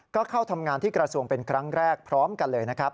ก็เข้าทำงานที่กระทรวงเป็นครั้งแรกพร้อมกันเลยนะครับ